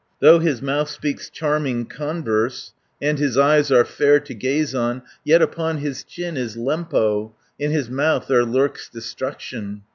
Though his mouth speaks charming converse, And his eyes are fair to gaze on, Yet upon his chin is Lempo; In his mouth there lurks destruction.